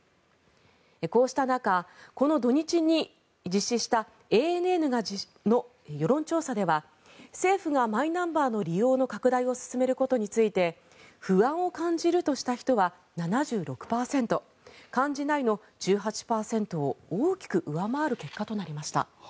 こうした中、この土日に実施したＡＮＮの世論調査では政府がマイナンバーの利用の拡大を進めることについて不安を感じるとした人は７６％感じないの１８％を大きく上回る結果となりました。